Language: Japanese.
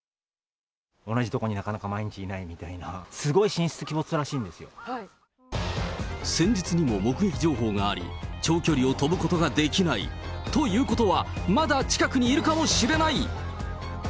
同じ所になかなか毎日いないみたいな、すごい神出鬼没らしい先日にも目撃情報があり、長距離を飛ぶことができないということは、まだ近くにいるかもしれない。